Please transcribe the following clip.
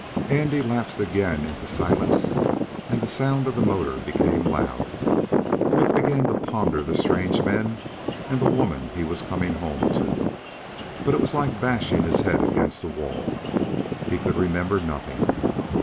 Andy lapsed again into silence and the sound of the motor became loud. Nick continued to ponder the strange men and the woman he was coming home to, but it was like bashing his head against a wall. He could remember nothing.